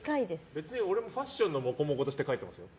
別に俺もファッションのもこもことして書いてますよ。